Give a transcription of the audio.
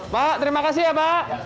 pak terima kasih ya pak